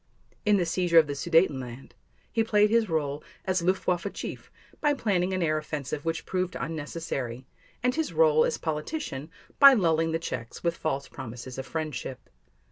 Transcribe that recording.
In the seizure of the Sudetenland, he played his role as Luftwaffe chief by planning an air offensive which proved unnecessary, and his role as politician by lulling the Czechs with false promises of friendship.